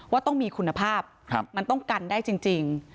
ว่าต้องมีคุณภาพมันต้องกันได้จริง